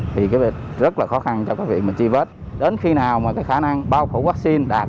thì rất là khó khăn cho các viện mà chi vết đến khi nào mà cái khả năng bao phủ vaccine đạt